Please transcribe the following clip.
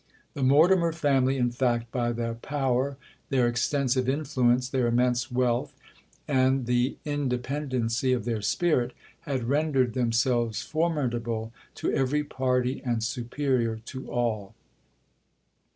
The Mortimer family, in fact, by their power, their extensive influence, their immense wealth, and the independency of their spirit, had rendered themselves formidable to every party, and superior to all.